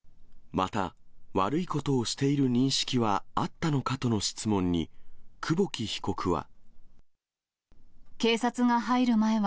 また、悪いことをしている認識はあったのかとの質問に、久保木被告は。